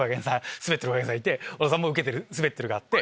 スベってるこがけんさんいて小田さんもウケてるスベってるがあって。